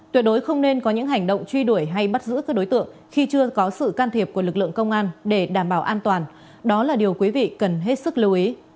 tuyệt đối không nên có những hành động truy đuổi hay bắt giữ các đối tượng khi chưa có sự can thiệp của lực lượng công an để đảm bảo an toàn đó là điều quý vị cần hết sức lưu ý